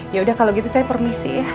yaudah kalau gitu saya permisi ya